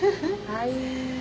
はい。